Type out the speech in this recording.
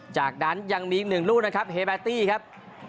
จากนั้นยังมีอีกหนึ่งลูกนะครับเฮเบตตี้ครับ